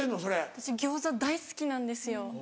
私餃子大好きなんですよ。